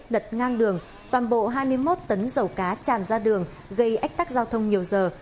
lật ngang đường toàn bộ hai mươi một tấn dầu cá tràn ra đường gây ách tắc giao thông nhiều giờ